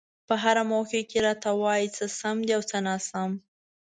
په هره موقع کې راته وايي څه سم دي او څه ناسم.